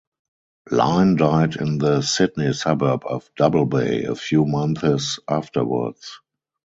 Lyne died in the Sydney suburb of Double Bay, a few months afterwards.